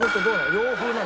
洋風なの？